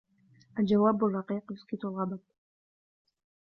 الجواب الرقيق يسكت الغضب.